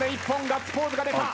ガッツポーズが出た。